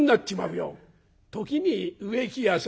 「時に植木屋さん」。